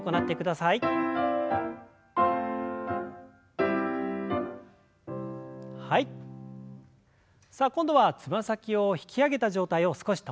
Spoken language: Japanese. さあ今度はつま先を引き上げた状態を少し保ちます。